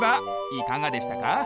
いかがでしたか？